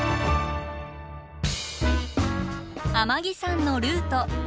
天城山のルート。